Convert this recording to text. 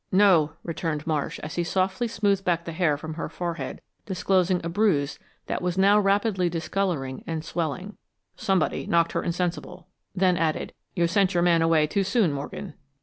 "No," returned Marsh, as he softly smoothed back the hair from her forehead, disclosing a bruise that was now rapidly discoloring and swelling. "Somebody knocked her insensible." Then added, "You sent your man away too soon, Morgan."